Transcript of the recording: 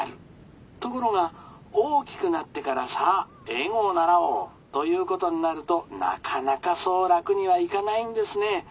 ところが大きくなってからさあ英語を習おうということになるとなかなかそう楽にはいかないんですね。